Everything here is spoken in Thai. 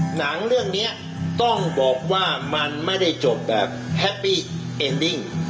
หนังเรื่องนี้ต้องบอกว่ามันไม่ได้จบแบบแฮปปี้เอ็นดิ้ง